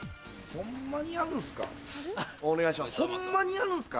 ホンマにやるんすか？